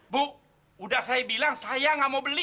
bu udah saya bilang saya nggak mau beli